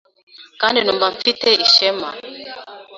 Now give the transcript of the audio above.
kandi numva mfite ishema